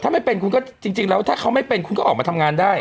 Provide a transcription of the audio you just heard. ถ้าไม่เป็นคุณก็จริงแล้วถ้าเขาไม่เป็นคุณก็ออกมาทำงานได้